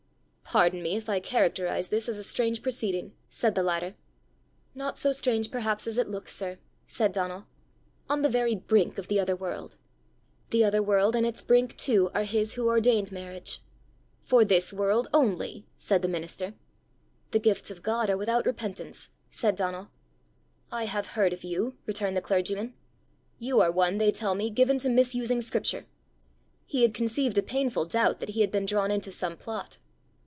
"Pardon me if I characterize this as a strange proceeding!" said the latter. "Not so strange perhaps as it looks, sir!" said Donal. "On the very brink of the other world!" "The other world and its brink too are his who ordained marriage!" "For this world only," said the minister. "The gifts of God are without repentance," said Donal. "I have heard of you!" returned the clergyman. "You are one, they tell me, given to misusing scripture." He had conceived a painful doubt that he had been drawn into some plot!